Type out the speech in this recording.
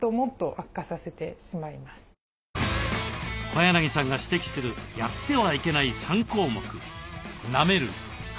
小柳さんが指摘するやってはいけない３項目。